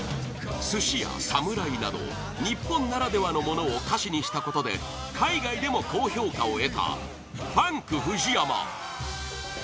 寿司やサムライなど日本ならではのものを歌詞にしたことで海外でも高評価を得た「ＦＵＮＫＦＵＪＩＹＡＭＡ」